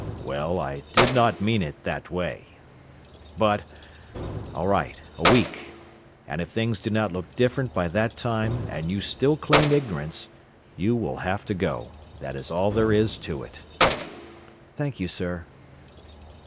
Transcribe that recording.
"Well, I did not mean it that way. But, all right a week. And if things do not look different by that time, and you still claim ignorance, you will have to go. That is all there is to it." "Thank you, sir."